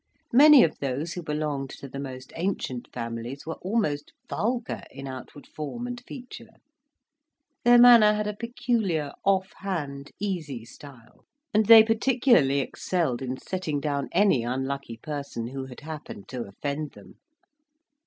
Many of those who belonged to the most ancient families were almost vulgar in outward form and feature: their manner had a peculiar off hand, easy style; and they particularly excelled in setting down any unlucky person who had happened to offend them.